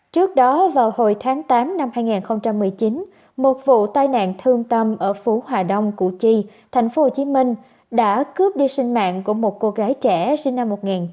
trước đó vào hồi tháng tám năm hai nghìn một mươi chín một vụ tai nạn thương tâm ở phú hòa đông cụ chi tp hcm đã cướp đi sinh mạng của một cô gái trẻ sinh năm một nghìn chín trăm tám mươi